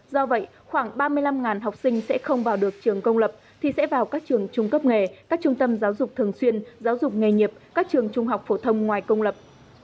do vậy khoảng ba mươi năm học sinh sẽ không vào được trường công lập thì sẽ vào các trường trung cấp nghề các trung tâm giáo dục thường xuyên giáo dục nghề nghiệp các trường trung học phổ thông ngoài công lập